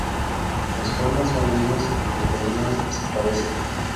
Las formas son líneas y los volúmenes desaparecen.